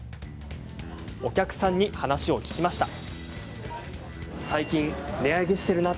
お客さんに話を聞きました。